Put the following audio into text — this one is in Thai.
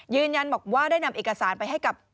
ยืนยันบอกว่าได้นำเอกสารไปให้กับ